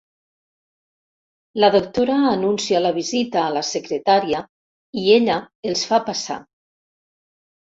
La doctora anuncia la visita a la secretària i ella els fa passar.